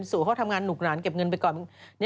สู่เขาทำงานหนุกหนานเก็บเงินไปก่อน